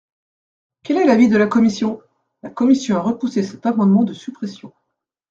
Quel est l’avis de la commission ? La commission a repoussé cet amendement de suppression.